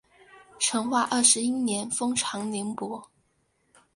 成化二十一年封长宁伯。